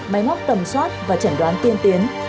máy móc tầm soát và chẩn đoán tiên tiến